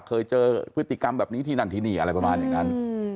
เคยเจอพฤติกรรมแบบนี้ที่นั่นที่นี่อะไรประมาณอย่างนั้น